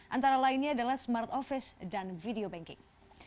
antara lainnya adalah smart office dan video banking